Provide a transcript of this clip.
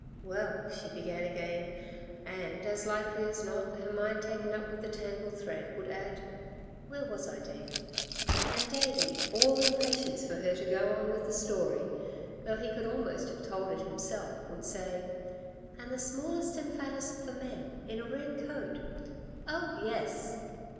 "Well " she began again, and, as likely as not, her mind taken up with the tangled thread, would add: "Where was I, Davey?" And Davey, all impatience for her to go on with the story, though he could have almost told it himself, would say: "And the smallest and fattest of the men, in a red coat " "Oh, yes!"